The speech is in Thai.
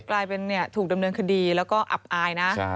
กลายเป็นถูกดำเนินคดีแล้วก็อับอายนะ